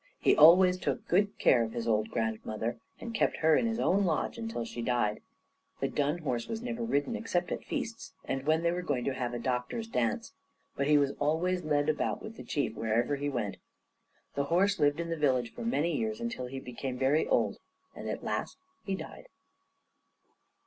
He always took good care of his old grandmother, and kept her in his own lodge until she died. The dun horse was never ridden except at feasts, and when they were going to have a doctors' dance, but he was always led about with the Chief wherever he went. The horse lived in the village for many years, until he became very old. And at last he died.